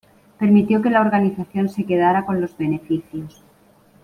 Permitió que la organización se quedara con los beneficios.